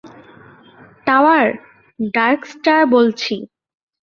Tower, Darkstar বলছি।